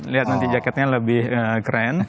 lihat nanti jaketnya lebih keren